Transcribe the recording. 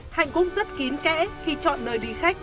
hạnh cũng rất kín kẽ khi chọn nơi đi khách